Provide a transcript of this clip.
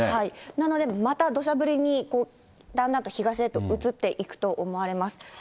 なので、またどしゃ降りに、だんだんと東へと移っていくと思われます。